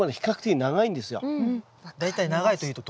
大体長いというと？